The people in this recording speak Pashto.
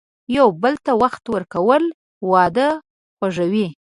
یو بل ته وخت ورکول، واده خوږوي.